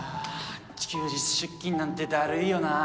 休日出勤なんてだるいよな